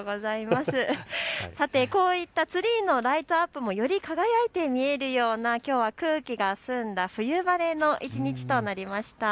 こういったツリーのライトアップも、より輝いて見えるような空気が澄んだ冬晴れの一日となりました。